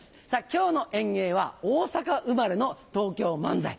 今日の演芸は大阪生まれの東京漫才。